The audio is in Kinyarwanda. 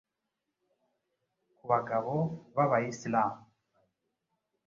ku bagabo b’abayislam